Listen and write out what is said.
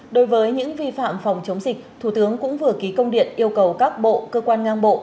đối với những vi phạm phòng chống dịch thủ tướng cũng vừa ký công điện yêu cầu các bộ cơ quan ngang bộ